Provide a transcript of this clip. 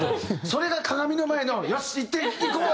それが鏡の前の「よし行こう！！」